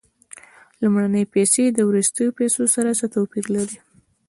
لومړنۍ پیسې له وروستیو پیسو سره څه توپیر لري